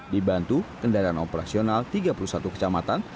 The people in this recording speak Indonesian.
dibantu kendaraan operasional tiga puluh satu kecamatan